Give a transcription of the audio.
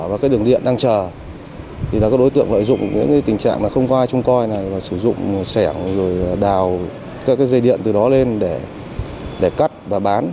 và các đường điện đang chờ thì là các đối tượng lợi dụng những tình trạng không có ai trung coi sử dụng sẻng đào các dây điện từ đó lên để cắt và bán